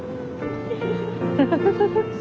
フフフフ。